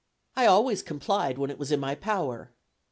I always complied when it was in my power.